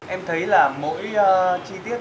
em thấy là mỗi chi tiết